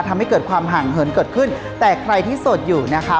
ทำให้เกิดความห่างเหินเกิดขึ้นแต่ใครที่โสดอยู่นะคะ